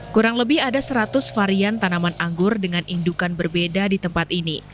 kurang lebih ada seratus varian tanaman anggur dengan indukan berbeda di tempat ini